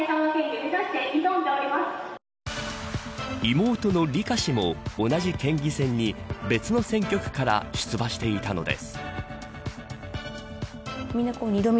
妹の梨香氏も同じ県議選に別の選挙区から出馬していたのです。